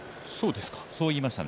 そう言いました。